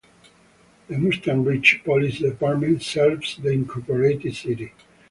The Mustang Ridge Police Department serves the incorporated city.